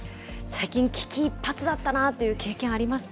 最近、危機一髪だったなという経験あります？